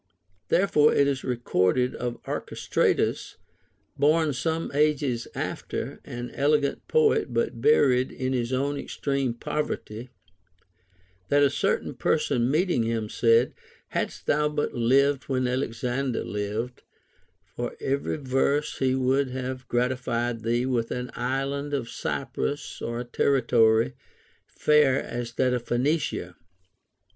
Therefore it is recorded of Archestratus, born some ages after, an elegant poet but buried in his own extreme poverty, that a certain person meeting him said, Hadst thou but lived when Alexander lived, for every verse he would have gratified thee with an island of Cyprus or a territory fair as that of Phoenicia.